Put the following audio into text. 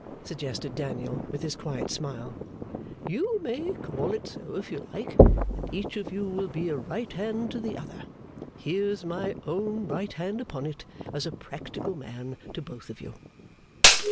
suggested Daniel, with his quiet smile. 'You may call it so, if you like and each of you will be a right hand to the other. Here's my own right hand upon it, as a practical man, to both of you.